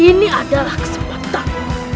ini adalah kesempatan